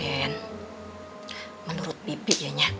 dan menurut bibi